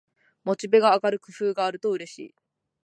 モチベが上がる工夫があるとうれしい